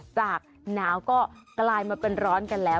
จากหนาวก็กลายมาเป็นร้อนกันแล้ว